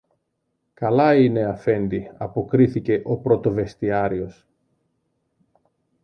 Καλά είναι, Αφέντη, αποκρίθηκε ο πρωτοβεστιάριος